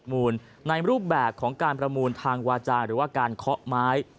จำรวมทดสอบการประมูลในรูปแบบของการประมูลทางวาจารย์หรือว่าการเคาะไม้